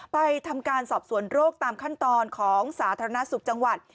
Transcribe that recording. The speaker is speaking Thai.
ทำการสอบสวนโรคตามขั้นตอนของสาธารณสุขจังหวัด